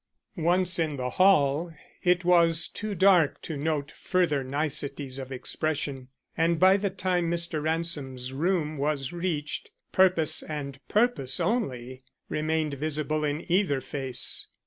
Once in the hall, it was too dark to note further niceties of expression, and by the time Mr. Ransom's room was reached, purpose and purpose only remained visible in either face.